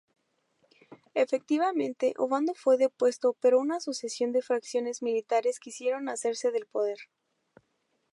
Efectivamente, Ovando fue depuesto pero una sucesión de fracciones militares quisieron hacerse del poder.